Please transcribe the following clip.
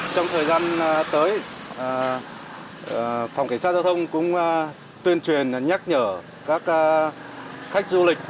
trong thời gian tới phòng cảnh sát giao thông cũng tuyên truyền nhắc nhở các khách du lịch